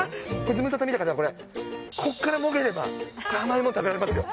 ズムサタ見た方は、これ、ここからもげれば、甘いもの食べられますよ。